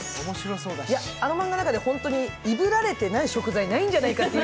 あのマンガの中でいぶられてない食材ないんじゃないかな。